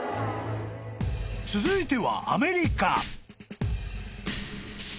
［続いては］